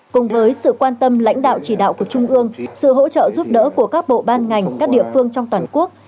cùng với sự quan tâm lãnh đạo chỉ đạo của trung ương sự hỗ trợ giúp đỡ của các bộ ban ngành các địa phương trong toàn quốc